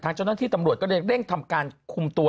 ทางเจ้านั้นที่ตำรวจก็ได้เร่งทำการคุมตัว